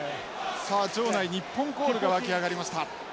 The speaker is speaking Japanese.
さあ場内日本コールが沸き上がりました。